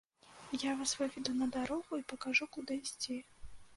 Я вас выведу на дарогу і пакажу, куды ісці.